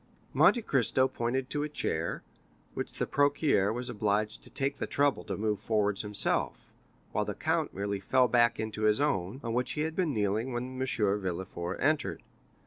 Monte Cristo pointed to a chair, which the procureur was obliged to take the trouble to move forwards himself, while the count merely fell back into his own, on which he had been kneeling when M. Villefort entered.